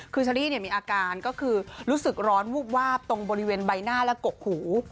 คือเชอรี่มีอาการก็คือรู้สึกร้อนวูบวาบตรงบริเวณใบหน้าและกกหู